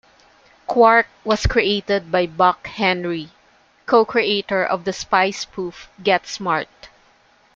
"Quark" was created by Buck Henry, co-creator of the spy spoof "Get Smart".